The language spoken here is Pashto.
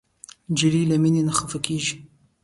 نجلۍ له مینې نه خفه کېږي.